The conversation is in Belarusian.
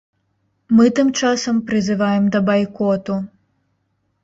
Мы, тым часам, прызываем да байкоту.